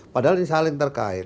padahal ini saling terkait